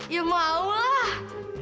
ya mau lah